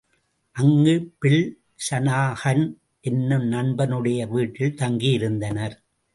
அங்கு Bill Shanahan என்னும் நண்பனுடைய வீட்டில் தங்கியிருந்தனர்.